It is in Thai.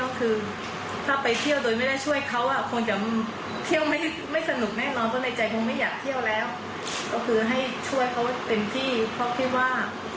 เพราะคิดว่าช่วยเขาจะเป็นของฝันที่ดีที่สุดแล้วค่ะ